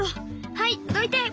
はいどいて。